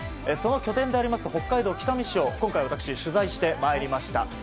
その拠点であります北海道北見市を今回、私取材して参りました。